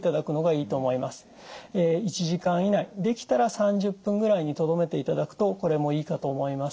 １時間以内できたら３０分ぐらいにとどめていただくとこれもいいかと思います。